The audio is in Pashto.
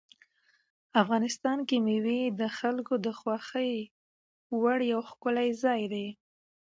افغانستان کې مېوې د خلکو د خوښې وړ یو ښکلی ځای دی.